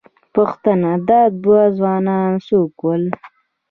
پوښتنه، دا دوه ځوانان څوک ول؟